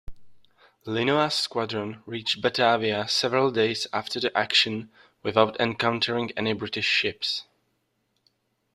Linois's squadron reached Batavia several days after the action without encountering any British ships.